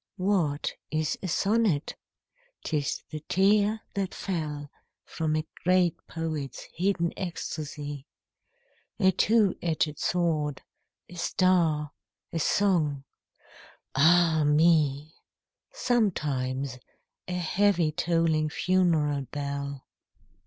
What is a sonnet ? 'T is the tear that fell From a great poet's hidden ecstasy ; A two edged sword, a star, a song — ah me I Sometimes a heavy tolling funeral bell.